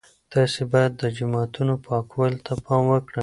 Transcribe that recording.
تاسي باید د جوماتونو پاکوالي ته پام وکړئ.